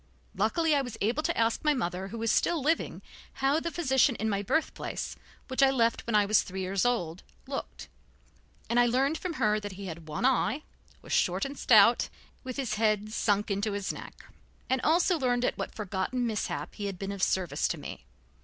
Luckily I was able to ask my mother, who was still living, how the physician in my birth place, which I left when I was three years old, looked, and I learned from her that he had one eye, was short and stout, with his head sunk into his neck, and also learned at what forgotten mishap he had been of service to me.